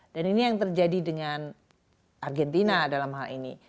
dan ini yang terjadi dengan argentina dalam hal ini